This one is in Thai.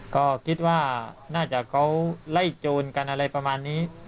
ก็คิดว่าน่าจะเขาไล่โจรกันอะไรประมาณนี้